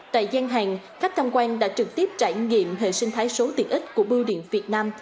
tại gian hàng khách tham quan đã trực tiếp trải nghiệm hệ sinh thái số tiện ích của bưu điện việt nam